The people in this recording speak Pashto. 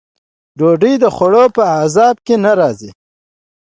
د ډوډۍ خوړلو په اعتصاب کې نه راځي.